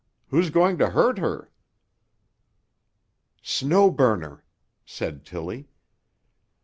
Who's going to hurt her?" "Snow Burner," said Tilly.